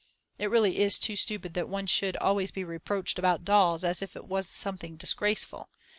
It really is too stupid that one should always be reproached about dolls as if it was something disgraceful.